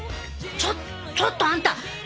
ちょちょっとあんた！